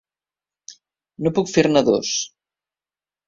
No puc fer-ne dos.